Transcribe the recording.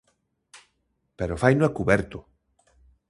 Pero faino a cuberto.